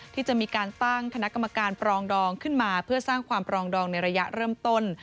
ที่จะมีการตั้งคณะกรรมการปรองดองขึ้นมาเพื่อสร้างความปรองดองในระยะเริ่มต้น